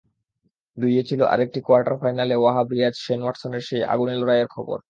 দুইয়ে ছিল আরেকটি কোয়ার্টার ফাইনালে ওয়াহাব রিয়াজ-শেন ওয়াটসনের সেই আগুনে লড়াইয়ের খবর।